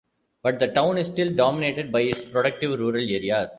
But the town is still dominated by its productive rural areas.